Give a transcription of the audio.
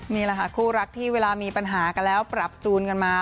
นี่แหละค่ะคู่รักที่เวลามีปัญหากันแล้วปรับจูนกันมา